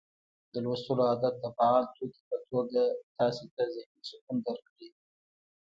د لوستلو عادت د فعال توکي په توګه تاسي ته ذهني سکون درکړي